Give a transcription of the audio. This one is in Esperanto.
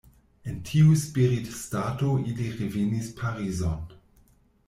En tiu spiritstato ili revenis Parizon.